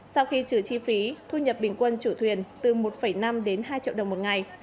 sau khi trừ chi phí thu nhập bình quân chủ thuyền từ một năm đến hai triệu đồng một ngày